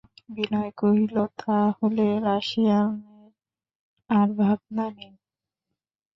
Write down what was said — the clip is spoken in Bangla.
বিনয় কহিল, তা হলে রাশিয়ানের আর ভাবনা নেই।